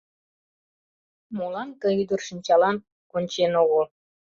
Молан ты ӱдыр шинчалан кончен огыл?